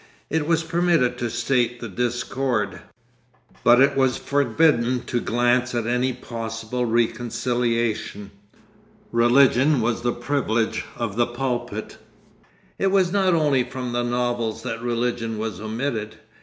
It was permitted to state the discord, but it was forbidden to glance at any possible reconciliation. Religion was the privilege of the pulpit.... It was not only from the novels that religion was omitted.